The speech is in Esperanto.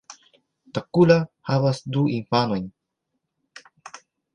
Takkula havas du infanojn.